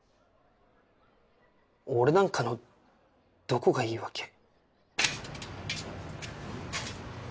俺なんかのどこがいいわけ？